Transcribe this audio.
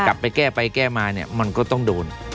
ไปแก้ไปแก้มาเนี่ยมันก็ต้องโดน